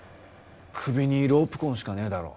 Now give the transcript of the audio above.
首にロープ痕しかねえだろ。